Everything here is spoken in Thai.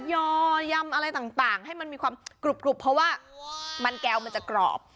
ยอมำอะไรต่างให้มันมีความกรุบเพราะว่ามันแก้วมันจะกรอบ